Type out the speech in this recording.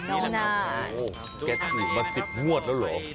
เขาอู๋เขาปัชฎีมา๑๐มวดแล้วเหรอ